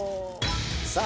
さあ